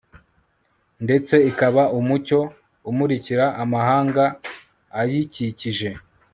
ndetse ikaba umucyo umurikira amahanga ayikikije